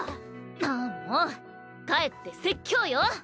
ああもう帰って説教よ。